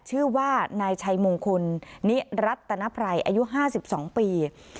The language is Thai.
ชื่อว่านายไชมงคุณนี่รัฐตนภัยอายุห้าสิบสองปี